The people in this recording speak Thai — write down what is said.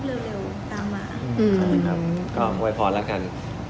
อยากให้มีรูปเร็วตามมา